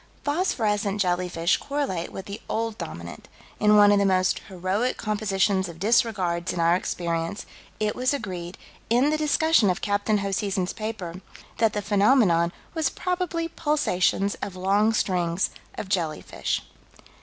Phosphorescent jellyfish correlate with the Old Dominant: in one of the most heroic compositions of disregards in our experience, it was agreed, in the discussion of Capt. Hoseason's paper, that the phenomenon was probably pulsations of long strings of jellyfish.